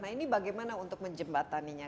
nah ini bagaimana untuk menjembataninya